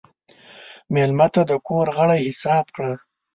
مېلمه ته د کور غړی حساب کړه.